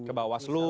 ke bawah slu